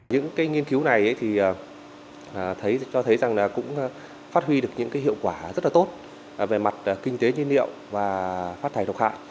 những nghiên cứu này cho thấy phát huy được những hiệu quả rất tốt về mặt kinh tế nhiên liệu và phát thải độc hạ